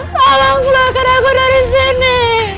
tolong keluarkan aku dari sini